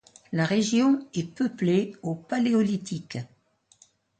La région est peuplée au Paléolithique.